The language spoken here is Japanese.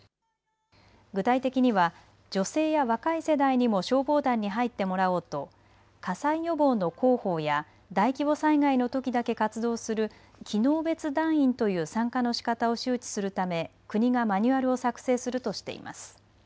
具体的には女性や若い世代にも消防団に入ってもらおうと火災予防の広報や大規模災害のときだけ活動する機能別団員という参加のしかたを周知するため国がマニュアルを作成するとしています。